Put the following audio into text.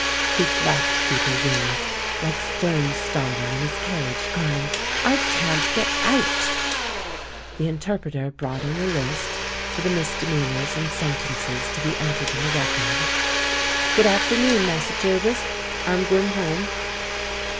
He flapped feeble wings, like Sterne's starling in its cage, crying, "I can't get out!" THE LAUKELS AND THE LADY 89 The interpreter brought in the list, for the mis demeanours and sentences to be entered in the record. "Good afternoon, Massa Childers; I'm gwine home."